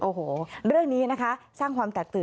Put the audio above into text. โอ้โหเรื่องนี้นะคะสร้างความแตกตื่น